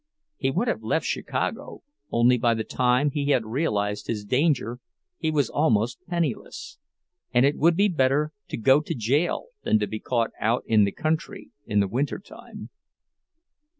He would have left Chicago, only by the time he had realized his danger he was almost penniless; and it would be better to go to jail than to be caught out in the country in the winter time.